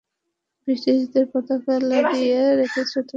ব্রিটিশদের পতাকা লাগিয়ে রেখেছ তুমি।